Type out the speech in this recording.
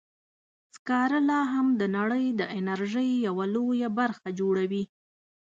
سکاره لا هم د نړۍ د انرژۍ یوه لویه برخه جوړوي.